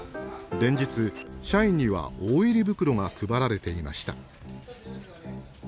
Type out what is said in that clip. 連日社員には大入袋が配られていました。